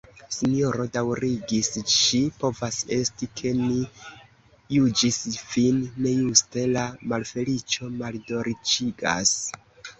"Sinjoro, daŭrigis ŝi, povas esti, ke ni juĝis vin nejuste: la malfeliĉo maldolĉigas."